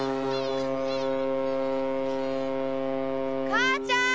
かあちゃん！